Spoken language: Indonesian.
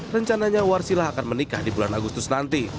rencananya warsilah akan menikah di bulan agustus nanti